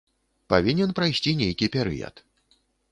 Павінен прайсці нейкі перыяд.